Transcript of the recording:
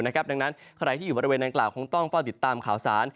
ดังนั้นใครที่อยู่บริเวณนางกล่าวคงต้องเฝ้าติดตามข่าวสาร